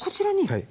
はい。